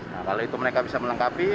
nah kalau itu mereka bisa melengkapi